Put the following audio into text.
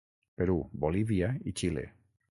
Perú, Bolívia i Xile.